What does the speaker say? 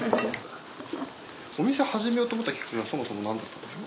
お店はじめようと思ったきっかけはそもそもなんだったんですか？